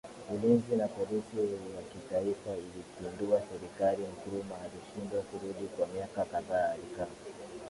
ulinzi na polisi ya kitaifa ilipindua serikaliNkrumah alishindwa kurudi Kwa miaka kadhaa alikaa